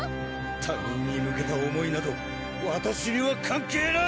他人に向けた思いなどわたしには関係ない！